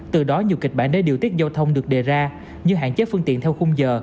từ đó nhiều kịch bản để điều tiết giao thông được đề ra như hạn chế phương tiện theo khung giờ